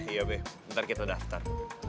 iya be ntar kita daftar